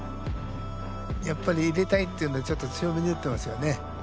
やっぱり入れたいっていうんでちょっと強めに打ってますよね。